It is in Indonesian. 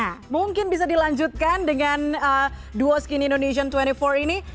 nah mungkin bisa dilanjutkan dengan duo skinn indonesian dua puluh empat ini